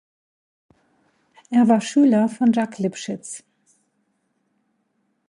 Er war Schüler von Jacques Lipchitz.